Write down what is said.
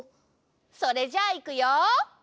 それじゃあいくよ！